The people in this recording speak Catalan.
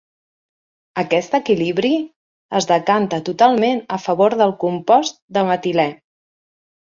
Aquest equilibri es decanta totalment a favor del compost de metilè.